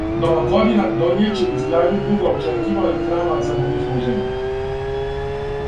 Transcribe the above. Нова година донијет ће изградњу дуго очекиваног храма за богослужење.